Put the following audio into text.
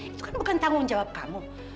itu kan bukan tanggung jawab kamu